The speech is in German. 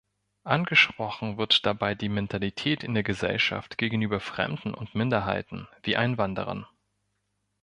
Angesprochen wird dabei die Mentalität in der Gesellschaft gegenüber „Fremden“ und „Minderheiten“ wie Einwanderern.